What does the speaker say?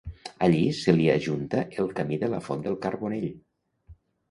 Allí se li ajunta el camí de la Font del Carbonell.